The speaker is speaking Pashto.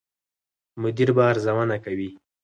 مدیر به ارزونه کوي.